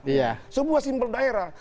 iya sebuah simbol daerah